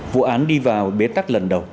vụ án đi vào bế tắc lần đầu